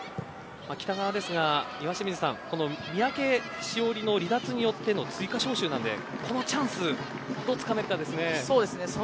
北川ですが、岩清水さん三宅史織の離脱によっての追加招集なのでここはチャンスどうつかめるかですね。